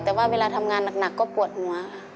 แต่ว่าเวลาทำงานหนักก็ปวดหัวค่ะ